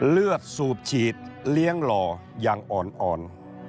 เลือดสูบฉีดเลี้ยงหล่อยังอ่อนอ่อน